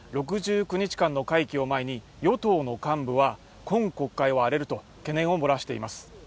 ６９日間の会期を前に与党の幹部は今国会は荒れると懸念を漏らしています